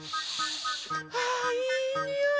あいいにおい。